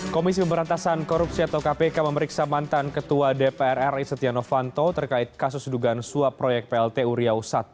komisi pemberantasan korupsi atau kpk memeriksa mantan ketua dpr ri setia novanto terkait kasus dugaan suap proyek plt uriau i